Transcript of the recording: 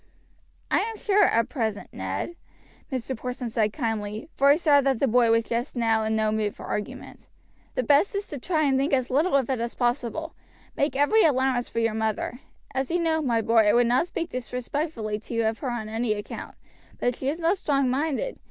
"I am sure at present, Ned," Mr. Porson said kindly for he saw that the boy was just now in no mood for argument "the best is to try and think as little of it as possible. Make every allowance for your mother; as you know, my boy, I would not speak disrespectfully to you of her on any account; but she is not strong minded.